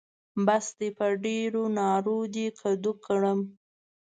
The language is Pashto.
بس دی؛ په ډېرو نارو دې کدو کړم.